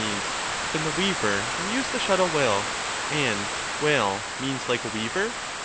Then the weaver will use the shuttle well — and well means like a weaver?